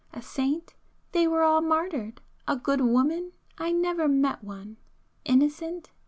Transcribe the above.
A saint? They were all martyred. A good woman? I never met one. Innocent?